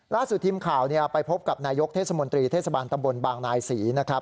ล่าสุดทีมข่าวไปพบกับนายกเทศมนตรีเทศบาลตำบลบางนายศรีนะครับ